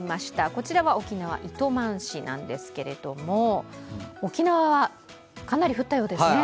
こちらは沖縄・糸満市なんですけれども沖縄は、かなり降ったようですね。